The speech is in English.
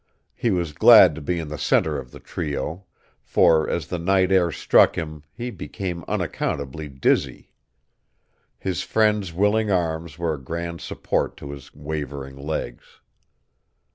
He was glad to be in the center of the trio; for, as the night air struck him, he became unaccountably dizzy. His friends' willing arms were a grand support to his wavering legs.